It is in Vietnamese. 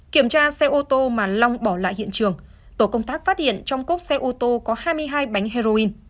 kiểm tra xe ô tô mà long bỏ lại hiện trường tổ công tác phát hiện trong cốp xe ô tô có hai mươi hai bánh heroin